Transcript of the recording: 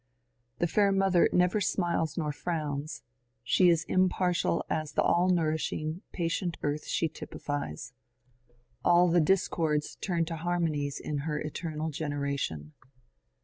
The fair Mother never smiles nor frowns : she is impartial as the all nourishing, patient Earth she typifies ; all the discords turn to harmonies in her eternal generation.